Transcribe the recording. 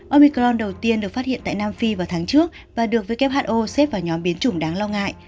omicron đầu tiên được phát hiện tại nam phi vào tháng trước và được who xếp vào nhóm biến chủng đáng lo ngại